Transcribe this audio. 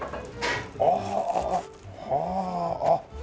ああああはああっ！